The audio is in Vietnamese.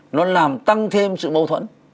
nó làm tăng thêm sự mâu thuẫn